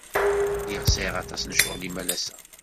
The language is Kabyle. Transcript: Lliɣ sɛiɣ aṭas n ccɣel imalas-a.